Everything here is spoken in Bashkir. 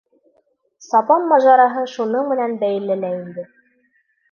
Сапан мажараһы шуның менән бәйле лә инде.